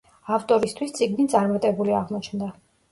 ავტორისთვის წიგნი წარმატებული აღმოჩნდა.